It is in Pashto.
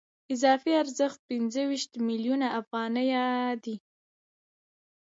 اضافي ارزښت پنځه ویشت میلیونه افغانۍ دی